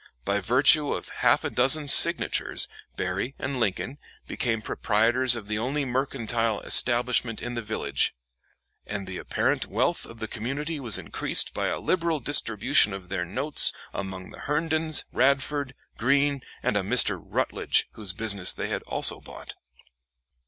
By virtue of half a dozen signatures, Berry and Lincoln became proprietors of the only mercantile establishment in the village, and the apparent wealth of the community was increased by a liberal distribution of their notes among the Herndons, Radford, Greene, and a Mr. Rutledge, whose business they had also bought.